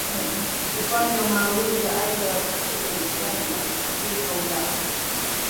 kufanya maamuzi ya aidha wajitenge na sudan kaskazini au la